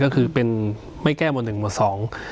ก็คือเป็นไม่แก้หมวดหนึ่งหมวดสอง